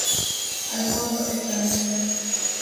Alfonso Escámez.